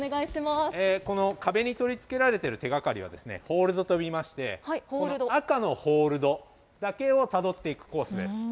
この壁に取り付けられている手がかりは、ホールドと呼びまして、赤のホールドだけをたどっていくコースです。